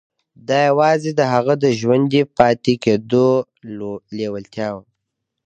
دا يوازې د هغه د ژوندي پاتې کېدو لېوالتیا وه.